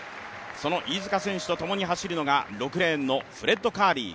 その飯塚選手とともに走るのが６レーンのフレッド・カーリー。